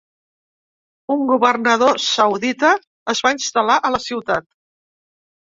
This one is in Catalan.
Un governador saudita es va instal·lar a la ciutat.